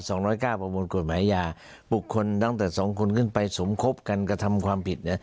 พรุ่ง๙๐๙ประมวลกฎหมายยาปลุกคลนั้นแต่๒คนขึ้นไปสมคบกันกระทำความผิด